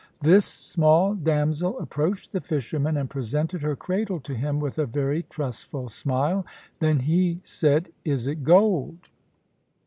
"This small damsel approached the fisherman, and presented her cradle to him, with a very trustful smile. Then he said, 'Is it gold?'